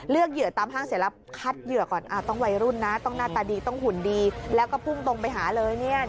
เหยื่อตามห้างเสร็จแล้วคัดเหยื่อก่อนต้องวัยรุ่นนะต้องหน้าตาดีต้องหุ่นดีแล้วก็พุ่งตรงไปหาเลย